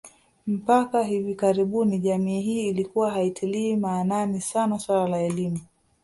Mpaka hivi karibuni jamii hii ilikuwa haitilii maanani sana suala la elimu